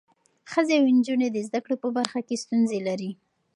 ښځې او نجونې د زده کړې په برخه کې ستونزې لري.